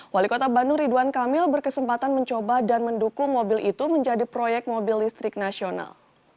wali kota bandung ridwan kamil berkesempatan mencoba dan mendukung mobil itu menjadi proyek mobil listrik nasional